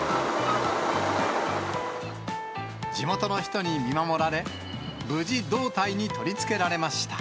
地元の人に見守られ、無事、胴体に取り付けられました。